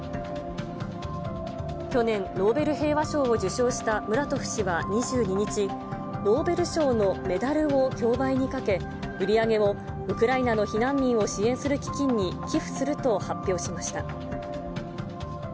去年、ノーベル平和賞を受賞したムラトフ氏は２２日、ノーベル賞のメダルを競売にかけ、売り上げをウクライナの避難民を支援する基金に寄付すると発表しました。